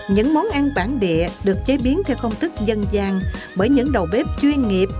những món ăn bản địa được chế biến theo không tức dân gian bởi những đầu bếp chuyên nghiệp